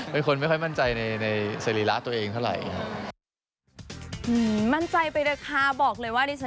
เป็นคนไม่ค่อยมั่นใจในสรีระตัวเองเท่าไหร่ครับ